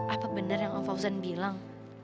apa benar yang om fauzan bilang